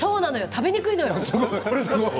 食べにくいのよ。